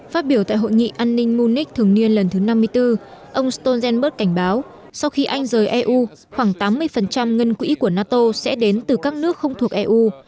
phát biểu tại hội nghị an ninh munich thường niên lần thứ năm mươi bốn ông stoltenberg cảnh báo sau khi anh rời eu khoảng tám mươi ngân quỹ của nato sẽ đến từ các nước không thuộc eu